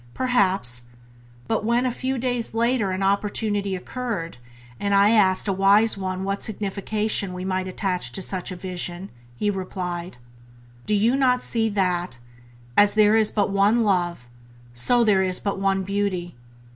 Perhaps; but when a few days later an opportunity occurred, and I asked a Wise One what signification we might attach to such a vision, He replied: "Do you not see that, as there is but One Love, so there is but One Beauty?